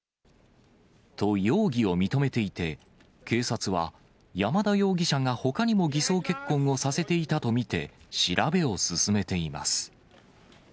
と、容疑を認めていて、警察は山田容疑者が、ほかにも偽装結婚をさせていたと見て、調べを進めています。